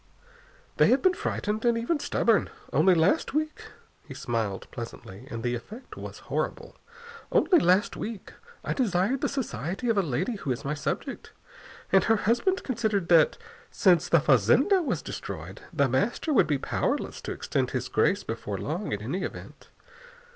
They have been frightened, and even stubborn. Only last week" he smiled pleasantly, and the effect was horrible "only last week I desired the society of a lady who is my subject. And her husband considered that, since the fazenda was destroyed, The Master would be powerless to extend his grace before long, in any event.